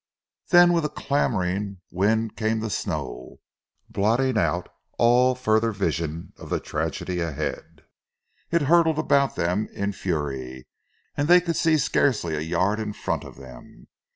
Then with a clamouring wind came the snow, blotting out all further vision of the tragedy ahead. It hurtled about them in fury, and they could see scarcely a yard in front of them.